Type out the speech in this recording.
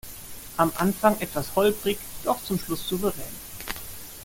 Am Anfang etwas holprig, doch zum Schluss souverän.